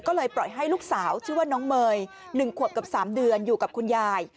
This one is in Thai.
ก็เลยปล่อยให้ลูกสาวชื่อว่าน้องเมย์๑ขวบกับ๓เดือนอยู่กับคุณยาย